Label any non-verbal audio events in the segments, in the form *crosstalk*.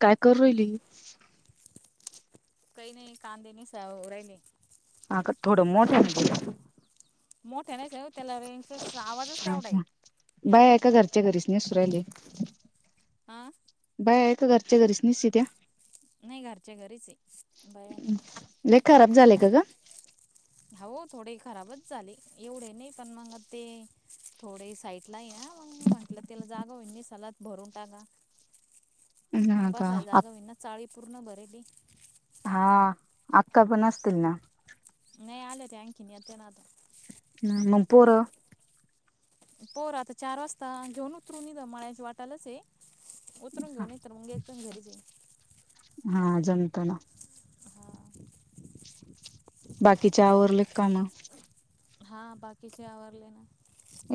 काय करू राहिली? काही नाही कांदणे निसाऊ राहिले. अगं थोडं मोठयानी बोल. मोठे नाहीच आहे हो त त्याला रेंज आवाजच तैवढाय. बाय आहेका घरच्या घरीच नेसू राहिली. आं बाहेर आहे का घरच्या घरीस निसित्या? नाही घरच्या घरीच आहे बाहेर नाही. लय खराब झालेय का ग? हो थोडे खराबच झाले एवढे नाही पण मग ते थोडे साईट ला आहे ना मग म्हंटलं तेला जागा होईन सलात भरून टाका. *inaudible* मग बसायला का जागा होईना ना चाळी पूर्ण भरेली. हा आक्का पण असतील ना. नाही आले ते आणखीन येताय ना आता. नाय मंग पोरं पोर आता चार वाजता घेऊन उतरूनी माळ्याच्या वाटालाच आहे. उतरून ह घेऊन येत तर मग एकदम घरीच आहे हा जमतं ना. हा बाकीचे आवरले का काम? हा बाकीचे आवारले ना.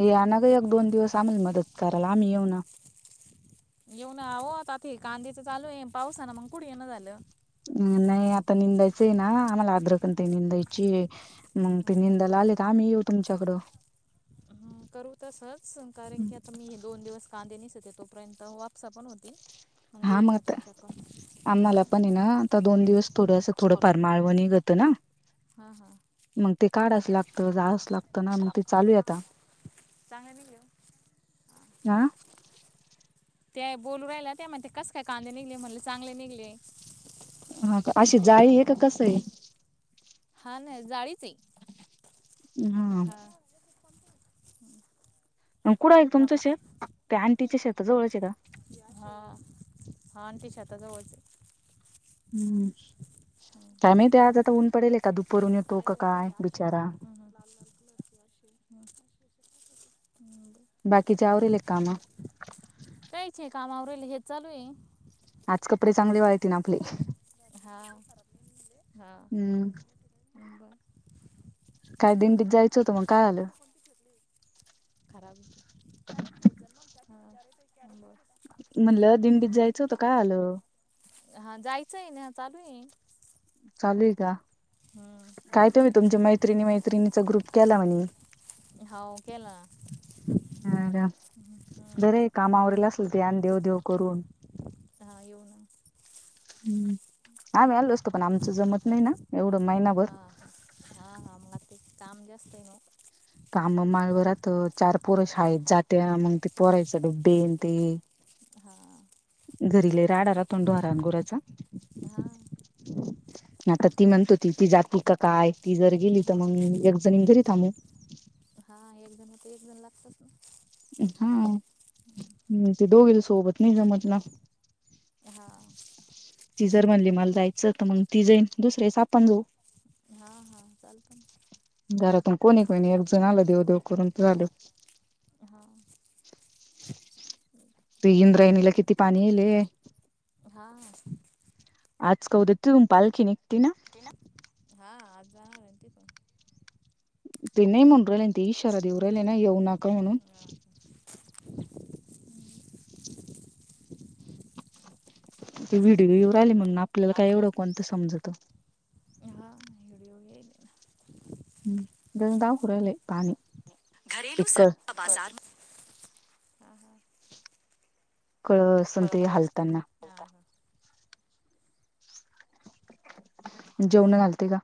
या ना ग एक दोन दिवस आम्हाला मदत कराला आम्ही येऊ ना येऊन आहो आता ते कांदीेच चालू आहे पावसा ना मग कुढे येणं झालं. नाही आता निंदायचं आहे ना आम्हाला आर्द्रकण ते निंदायची. मग ती मिंडायला आलेत आम्ही येऊ तुमच्याकडं. हं, करू तसच कारण की आता मी हे दोन दिवस कांदे निसत होते तोपर्यंत वापसा पण होतील. मंग हा येईल ना मग तमच्याकड. आम्हाला पण आहे ना आता दोन दिवस थोडंं अस थोडं मारमाळवणी करतं ना. हा हा. मंग ते काढाचं लागत जावचं लाग होतं ना मंग ते चालू आहे आता चांगले निघले हो. आ. त्या बोलू राहिला त्या म्हणते कसं काय कांदे निघले म्हणले चांगले निघले. हा का अशी जाळी आहे का कसं आहे? हा ना जाळीच आहे हा. *inaudible* कुडं आहे तुमचं मोठा शेत ते आंटीच्या शेता जवळचे का? हा हा आणंटीच्या आता जवळच आहे. हम्म हं, काय माहिती आज आता ऊन पडेल आहे का दुपरून येतो का काय बिचारा. हां लाल लाल *inaudible* म एवढं बाकी आवरले का काम? कायच नाही काम आवरेले हे चालू आहे. आज कपडे चांगले वाढतिन आपले. हा हा हम्म म बर. काय दिंडीत जायचं होतं मग काय झालं? खराब होतं हा बरं. म्हणलं दिंडीत जायचं होतं काय झालं? हा जायचं आहे ना चालू आहे. चालेू आहे का? हम्म. काय तुम्ही तुमच्या मैत्रिणी मैत्रिणीचा ग्रुप केला म्हणे. हावू केला ना. *inaudible* कामावरल असल ते, आन देव देव करून. हा. येऊ ना. हम्म आम्ही आलो असतो. पण आमचं जमत नाही, ना एवढं महिनाभर. हा हा हा मग ते काम जास्त हाय ना. काम माळव राहतं, चार पोरं शाळेत जाते. अन मग पोरांचं ते डब्बे अन् ते हां. घरी लय राडा राहतो ना, ढोरा गुरांचा? हां. *inaudible* आता ती म्हणत होती, ती जाते का काय? ती जर गेली, तर मग एकजण घरी थांबू. हा. एक जण इथं, एक जण लागतय ना हा, म ते दो विल सोबत नाही जमत ना. हा. ती जर म्हणली मला जायचं, तर मग ती जाईन. दुसऱ्या वेळेस आपण जाऊ. हा हा चालतं ना. घरातून कोणी कोणी एकजण आलं, देव देव करून पळालं. हा. ते इंद्रायणीला किती पाणी येले. हा. *inaudible* आज का? उद्या तिथून पालखी निघती ना. हा आज जाणार होती पण. तिने म्हटली ती, इशारा देव राहिली ना, येऊ नका म्हणून. तिथून ती व्हिडिओ येऊ राहिली म्हणून, आपल्याला काय एवढं कोणतं समजतं. हा, व्हिडिओ येईल. *unintelligible* पाणी. एक घरेलू कळ सरता बाजार. *unintelligible* कळसं *unintelligible* हलताना. *inaudible* जेवणं घालते का?